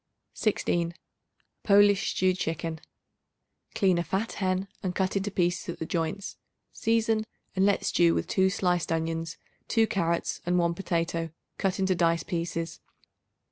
16. Polish Stewed Chicken. Clean a fat hen and cut into pieces at the joints; season and let stew with 2 sliced onions, 2 carrots and 1 potato, cut into dice pieces.